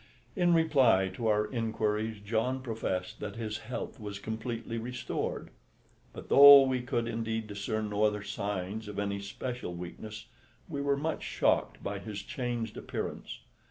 In reply to our inquiries John professed that his health was completely restored; but though we could indeed discern no other signs of any special weakness, we were much shocked by his changed appearance.